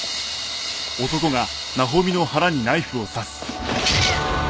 あっ！